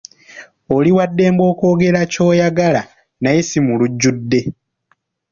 Oli waddembe okwogera ky'oyagala naye si mu lujjudde.